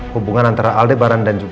hubungan antara aldebaran dan juga